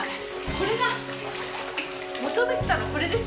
これだ求めてたのこれです。